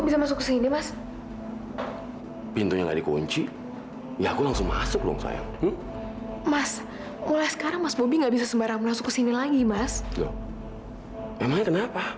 sampai jumpa di video selanjutnya